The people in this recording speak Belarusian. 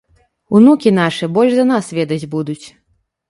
Унукі нашы больш за нас ведаць будуць.